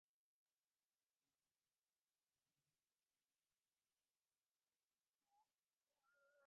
তিনি একজন জাতীয়তাবাদী এবং একজন রাজনৈতিক মধ্যপন্থী ছিলেন।